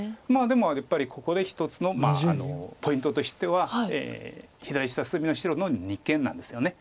でもやっぱりここで一つのポイントとしては左下隅の白の二間なんですよね。